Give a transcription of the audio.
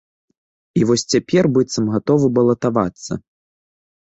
І вось цяпер, быццам, гатовы балатавацца.